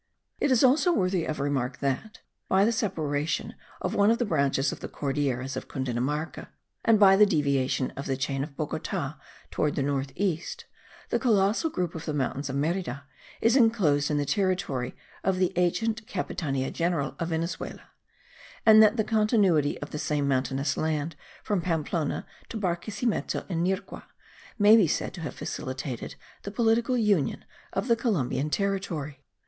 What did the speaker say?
It is also worthy of remark that, by the separation of one of the branches of the Cordilleras of Cundinamarca and by the deviation of the chain of Bogota towards the north east, the colossal group of the mountains of Merida is enclosed in the territory of the ancient Capitania general of Venezuela, and that the continuity of the same mountainous land from Pamplona to Barquisimeto and Nirgua may be said to have facilitated the political union of the Columbian territory.